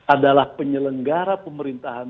adalah penyelenggara pemerintahan